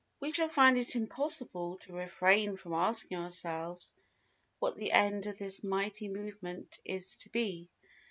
We shall find it impossible to refrain from asking ourselves what the end of this mighty movement is to be.